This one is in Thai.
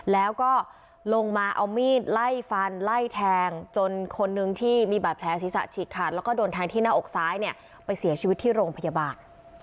แล้วก็ลงมาเอามีดไล่ฟันไล่แทงจนคนนึงที่มีบาดแผลศีรษะฉีกขาดแล้วก็โดนแทงที่หน้าอกซ้ายเนี่ยไปเสียชีวิตที่โรงพยาบาล